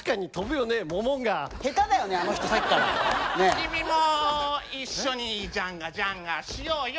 君も一緒にジャンガジャンガしようよ。